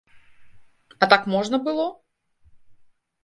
А так можна было?